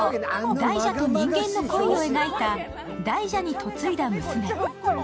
大蛇と人間の恋を描いた「大蛇に嫁いだ娘」。